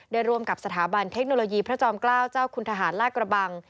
ร่วมกับสถาบันเทคโนโลยีพระจอมเกล้าเจ้าคุณทหารลากระบัง